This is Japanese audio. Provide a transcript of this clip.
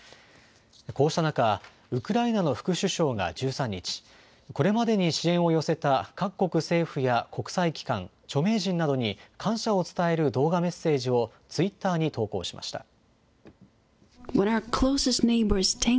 こうした中、ウクライナの副首相が１３日、これまでに支援を寄せた各国政府や国際機関、著名人などに、感謝を伝える動画メッセージをツイッターに投稿しました。